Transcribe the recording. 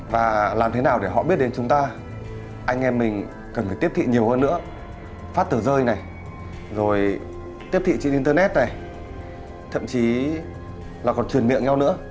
và làm thế nào để họ biết đến chúng ta anh em mình cần phải tiếp thị nhiều hơn nữa phát tờ rơi này rồi tiếp thị trên internet này thậm chí là còn truyền miệng nhau nữa